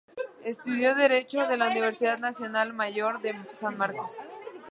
Estudió Derecho en la Universidad Nacional Mayor de San Marcos.